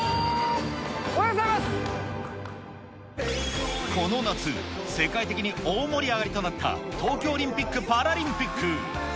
おこの夏、世界的に大盛り上がりとなった東京オリンピック・パラリンピック。